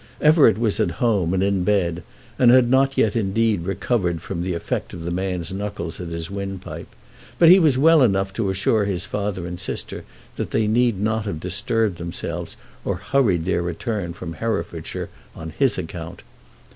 Everett was at home and in bed, and had not indeed as yet recovered from the effect of the man's knuckles at his windpipe; but he was well enough to assure his father and sister that they need not have disturbed themselves or hurried their return from Herefordshire on his account.